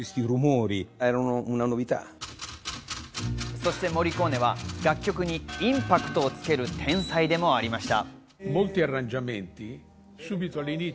そしてモリコーネは楽曲にインパクトをつける天才でもありました。